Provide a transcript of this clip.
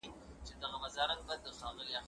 کتابتوني کار د مور له خوا کيږي؟!